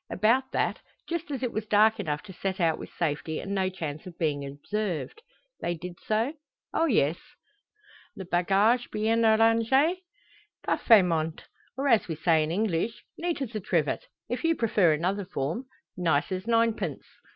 "About that; just as it was dark enough to set out with safety, and no chance of being observed." "They did so?" "Oh, yes." "Le bagage bien arrange?" "Parfaitment; or as we say in English, neat as a trivet. If you prefer another form; nice as ninepence."